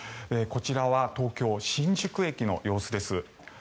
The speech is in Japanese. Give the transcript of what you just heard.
こちらは東京・新宿駅の様子です。